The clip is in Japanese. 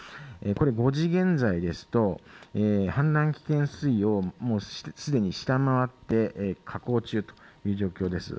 これ５時現在ですと氾濫危険水位をすでに下回って下降中という状況です。